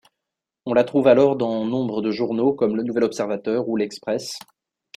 On la trouve alors dans nombre de journaux comme Le Nouvel Observateur ou L’Express.